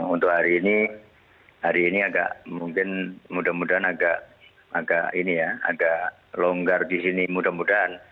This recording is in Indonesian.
untuk hari ini hari ini agak mungkin mudah mudahan agak ini ya agak longgar di sini mudah mudahan